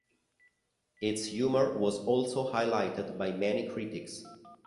Its humor was also highlighted by many critics.